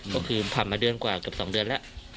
ก็คือผ่านมาเดือนกว่าเกือบ๒เดือนแล้ว